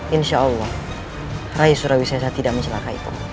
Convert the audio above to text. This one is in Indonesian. insya allah rai surawisesa tidak mencelakai kamu